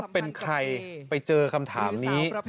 มีใครเป็นใครที่เจอคำถามนี้